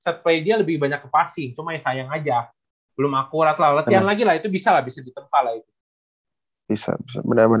set play dia lebih banyak ke passing cuma yang sayang aja